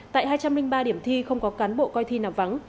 tại hai trăm linh ba điểm thi không có cán bộ coi thi nằm vắng